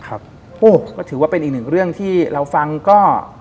โอ้โหก็ถือว่าเป็นอีกหนึ่งเรื่องที่เราฟังก็